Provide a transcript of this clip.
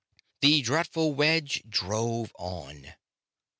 The dreadful wedge drove on.